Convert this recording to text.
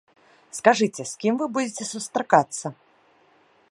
Скажыце, з кім вы будзеце сустракацца?